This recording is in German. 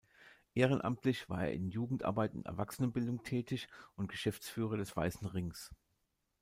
Ehrenamtlich war er in Jugendarbeit und Erwachsenenbildung tätig und Geschäftsführer des Weißen Rings.